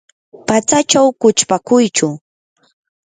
patsachaw quchpakuychu.